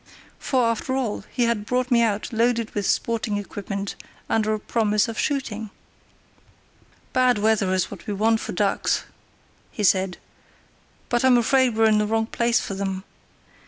For, after all, he had brought me out loaded with sporting equipment under a promise of shooting. "Bad weather is what we want for ducks," he said; "but I'm afraid we're in the wrong place for them.